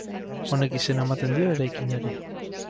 Honek izena ematen dio eraikinari.